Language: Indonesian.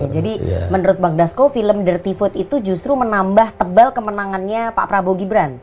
jadi menurut bang dasko film dirty food itu justru menambah tebal kemenangannya pak prabowo gibran